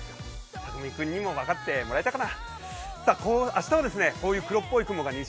たくみ君にも分かってもらえたかな？